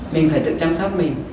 mình phải tự chăm sóc mình